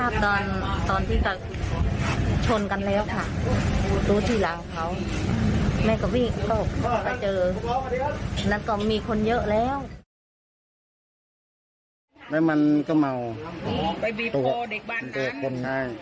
ตอนตอนที่กับชนกันแล้วค่ะรู้ที่หลังเขาแม่ก็วิ่งบอกไปเจอนั้นก็มีคนเยอะแล้ว